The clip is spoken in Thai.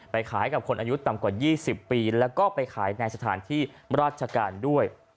ขายกับคนอายุต่ำกว่า๒๐ปีแล้วก็ไปขายในสถานที่ราชการด้วย